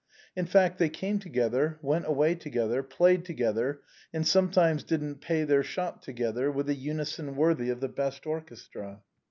In fact, they came together, went away together, played together, and sometimes didn't pay their shot together, with a unison worthy of the best orchestra.